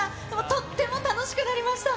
とっても楽しくなりました。